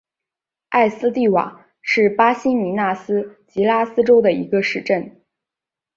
埃斯蒂瓦是巴西米纳斯吉拉斯州的一个市镇。